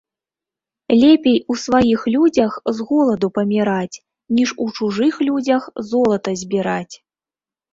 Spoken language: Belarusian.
Лепей у сваіх людзях з голаду паміраць, ніж у чужых людзях золата збіраць